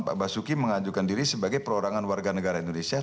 pak basuki mengajukan diri sebagai perorangan warga negara indonesia